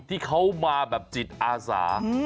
ที่เขามาแบบจิตอาสา